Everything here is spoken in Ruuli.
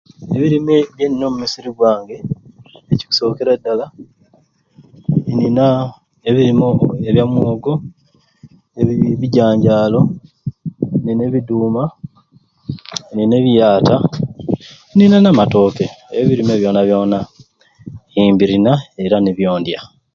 Ebirime byendina omu musiri gwange, ekikusookera ddala nina ebirime ebya mwogo ebijanjaalo nina ebiduuma Nina e biata Nina na matooke ebirime byoona byoona mbirina era nibyo ndya.